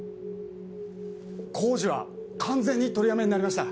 工事は完全に取りやめになりました。